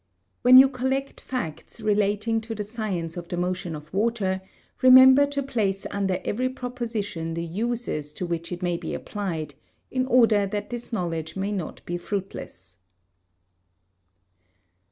When you collect facts relating to the science of the motion of water, remember to place under every proposition the uses to which it may be applied, in order that this knowledge may not be fruitless.